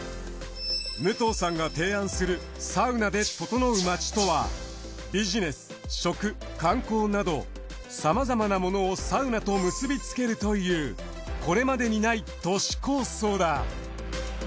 武藤さんが提案するサウナでととのう街とはビジネス食観光などさまざまなものをサウナと結びつけるというこれまでにない都市構想だ。